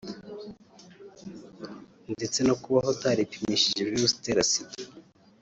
ndetse no kubaho utaripimishije virusi itera Sida